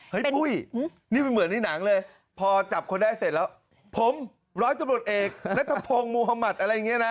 ปุ้ยนี่มันเหมือนในหนังเลยพอจับคนได้เสร็จแล้วผมร้อยตำรวจเอกนัทพงศ์มุธมัติอะไรอย่างนี้นะ